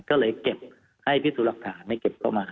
ก็เลยเก็บให้พิสุรคาให้เก็บเข้ามา